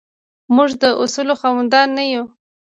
موږ د اصولو خاوندان نه یو.